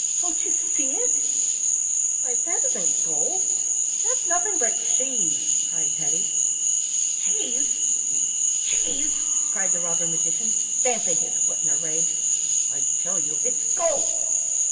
"Don't you see it?" "Why, that isn't gold. That's nothing but cheese," cried Teddy. "Cheese! cheese!" cried the robber magician, stamping his foot in a rage; "I tell you it's gold."